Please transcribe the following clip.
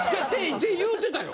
って言うてたよ。